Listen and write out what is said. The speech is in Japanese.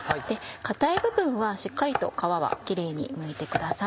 硬い部分はしっかりと皮はキレイにむいてください。